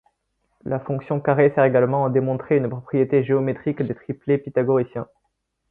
La fonction carré sert également à démontrer une propriété géométrique des triplets pythagoriciens.